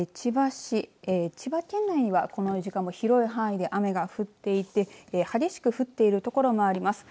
千葉県内にはこの時間も広い範囲で雨が降っていて激しく降ってるところもあります。